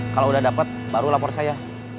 kalau udah dapat baru lapor saya